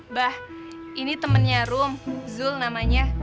mbah ini temennya rum zul namanya